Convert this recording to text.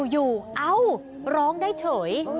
อยู่เอ้าร้องได้เฉย